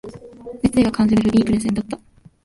熱意が感じられる良いプレゼンだった